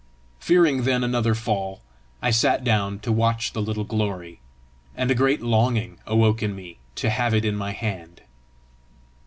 Fearing then another fall, I sat down to watch the little glory, and a great longing awoke in me to have it in my hand.